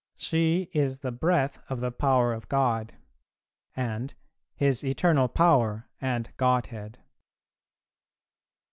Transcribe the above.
"She is the Breath of the Power of God;" and "His Eternal Power and Godhead."